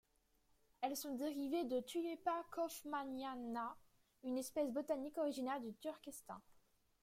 Elles sont dérivées de Tulipa kaufmanniana, une espèce botanique originaire du Turkestan.